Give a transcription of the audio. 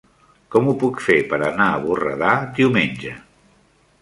Com ho puc fer per anar a Borredà diumenge?